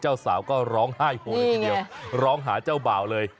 เจ้าสาวก็ร้องไห้โหเลยทีเดียวร้องหาเจ้าบ่าวเลย